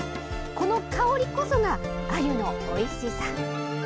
この香りこそが、あゆのおいしさ。